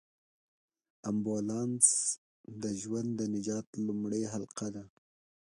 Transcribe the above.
امبولانس د ژوند د نجات لومړۍ حلقه ده.